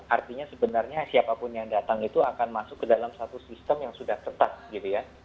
artinya sebenarnya siapapun yang datang itu akan masuk ke dalam satu sistem yang sudah ketat gitu ya